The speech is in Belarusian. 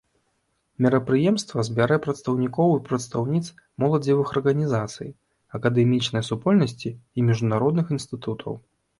Мерапрыемства збярэ прадстаўнікоў і прадстаўніц моладзевых арганізацый, акадэмічнай супольнасці і міжнародных інстытутаў.